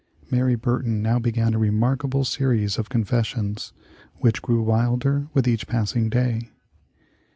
] Mary Burton now began a remarkable series of confessions which grew wilder with each passing day.